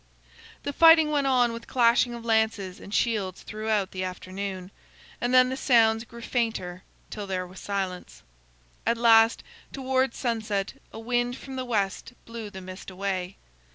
The fighting went on with clashing of lances and shields throughout the afternoon, and then the sounds grew fainter, till there was silence. At last, towards sunset, a wind from the west blew the mist away.